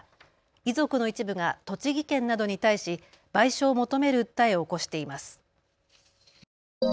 遺族の一部が栃木県などに対し賠償を求める訴えを起こしています。